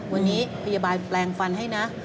วันนี้พยาบาลแปลงฟันให้นะ